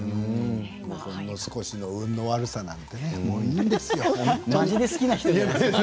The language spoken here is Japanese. ほんの少しの運の悪さなんていいんですよ。